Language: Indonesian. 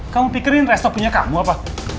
kamu pikirin resto punya kamu apa